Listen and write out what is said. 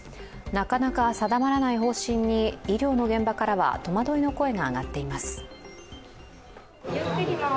なかなか定まらない方針に医療の現場からは戸惑いの声が上がっています。